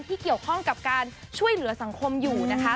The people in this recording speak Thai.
ที่เกี่ยวข้องกับการช่วยเหลือสังคมอยู่นะคะ